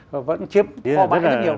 và vẫn chiếm kho bãi rất nhiều